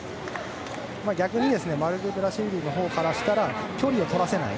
逆にマルクベラシュビリのほうからしたら距離をとらせない。